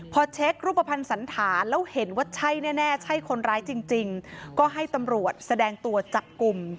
พอเช็ครูปภัณฑ์สันธารแล้วเห็นว่าใช่แน่ใช่คนร้ายจริงก็ให้ตำรวจแสดงตัวจับกลุ่ม